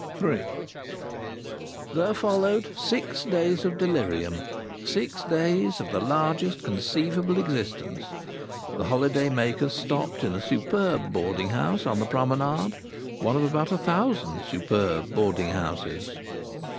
III There followed six days of delirium, six days of the largest conceivable existence. The holiday makers stopped in a superb boarding house on the promenade, one of about a thousand superb boarding houses.